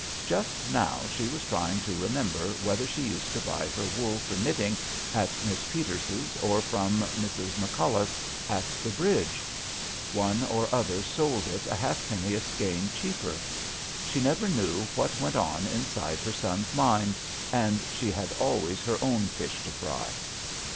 Just now she was trying to remember whether she used to buy her wool for knitting at Miss Peters's or from Mrs. Macallough's at the bridge. One or other sold it a halfpenny a skein cheaper. She never knew what went on inside her son's mind, she had always her own fish to fry.